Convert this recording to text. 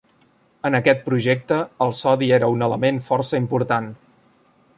En aquest projecte, el sodi era un element força important.